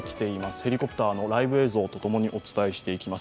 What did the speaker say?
ヘリコプターのライブ映像とともにお伝えしていきます。